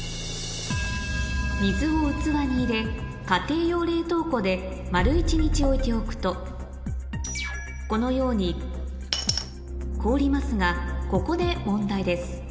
水を器に入れ家庭用冷凍庫で丸１日置いておくとこのように凍りますがここで問題です